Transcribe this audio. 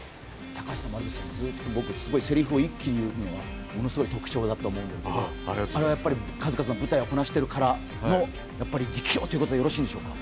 高橋さん、せりふを一気に言うのが、ものすごい特徴だと思うんですが、あれはやっぱり数々の舞台をこなしているからこそのことと解してよろしいんでしょうか。